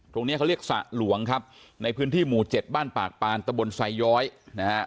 เนี้ยเขาเรียกสระหลวงครับในพื้นที่หมู่เจ็ดบ้านปากปานตะบนไซย้อยนะฮะ